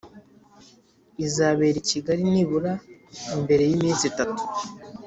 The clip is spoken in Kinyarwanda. Izabera I Kigali nibura mbere y’ iminsi itatu